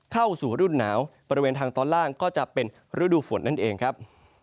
เข้าสู่รุ่นหนาวบริเวณทางตอนล่างก็จะเป็นฤดูฝนนั่นเองครับ